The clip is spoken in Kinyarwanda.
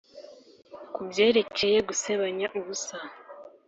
kubyerekeye gusebanya ubusa